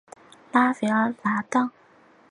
拉弗尔泰维当。